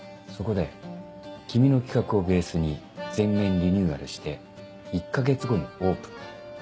そこで君の企画をベースに全面リニューアルして１か月後にオープン。